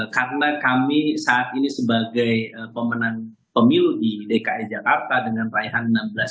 karena kami saat ini sebagai pemenang pemilu di dki jakarta dengan raihan enam belas